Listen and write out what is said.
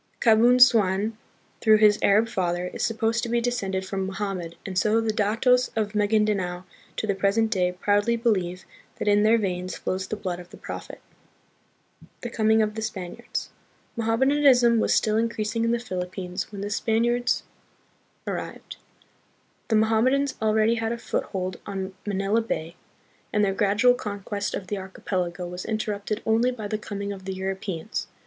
Kabun suan, through his Arab father, is supposed to be descended from Mohammed, and so the datos of Magindanao to the present day proudly believe that in their veins flows the blood of the Prophet. The Coming of the Spaniards. Mohammedanism was still increasing in the Philippines when the Spaniards ar THE PEOPLES OF THE PHILIPPINES. 41 rived. The Mohammedans already had a foothold on Manila Bay, and their gradual conquest of the archipelago was interrupted only by the coming of the Europeans.